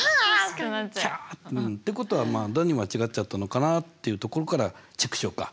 確かに。ってことはまあ何間違っちゃったのかなっていうところからチェックしようか。